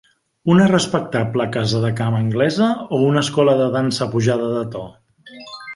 Una respectable casa de camp anglesa o una escola de dansa pujada de to?